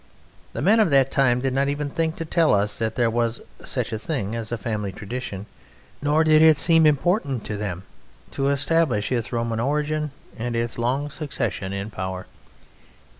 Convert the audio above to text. The men of that time did not even think to tell us that there was such a thing as a family tradition, nor did it seem important to them to establish its Roman origin and its long succession in power.